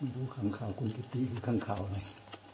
ดูข้างขาวคุณพิธีดูข้างขาวหน่อย